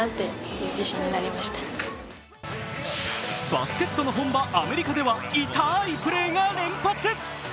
バスケットの本場、アメリカでは痛いプレーが連発。